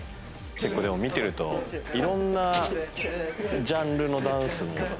結構でも見てると色んなジャンルのダンスも混ぜてますね。